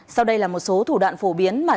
sau đây là một số thủ đoạn phổ biến